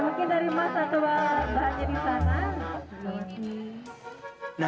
ya mungkin dari mas atau bahannya di sana